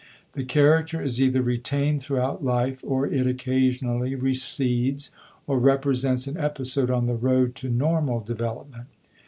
The character is either retained throughout life, or it occasionally recedes or represents an episode on the road to normal development.